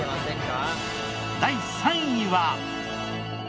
第３位は。